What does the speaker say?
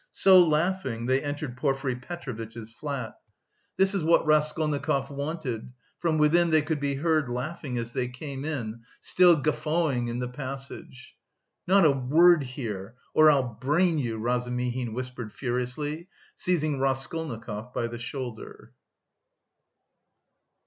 So laughing, they entered Porfiry Petrovitch's flat. This is what Raskolnikov wanted: from within they could be heard laughing as they came in, still guffawing in the passage. "Not a word here or I'll... brain you!" Razumihin whispered furiously, seizing Raskolnikov by the shoulder.